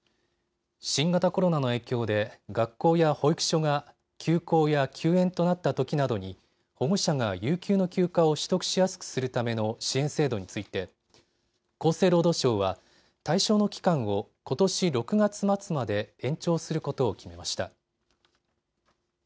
新型コロナの影響で学校や保育所が休校や休園となったときなどに、保護者が有給の休暇を取得しやすくするための支援制度について厚生労働省は対象の期間をことし６月末まで延長することを決めました。